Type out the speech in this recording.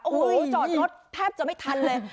โอ้โหจอดรถแทบจะไม่ทันเลย